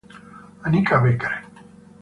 Annika Becker